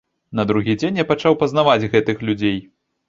На другі дзень я пачаў пазнаваць гэтых людзей.